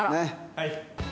はい。